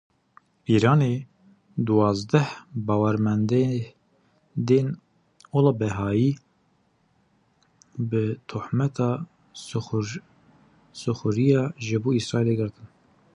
Îranê duwazdeh bawermendên ola Behayî bi tohmeta sîxuriya ji bo Îsraîlê girtin.